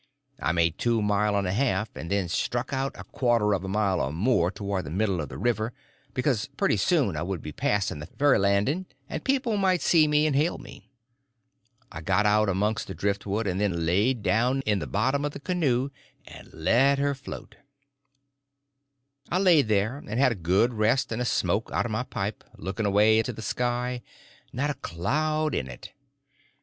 I made two mile and a half, and then struck out a quarter of a mile or more towards the middle of the river, because pretty soon I would be passing the ferry landing, and people might see me and hail me. I got out amongst the driftwood, and then laid down in the bottom of the canoe and let her float. I laid there, and had a good rest and a smoke out of my pipe, looking away into the sky; not a cloud in it.